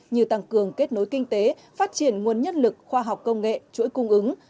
như tăng cường kết nối kinh tế phát triển nguồn nhân lực khoa học công nghệ chuỗi cung ứng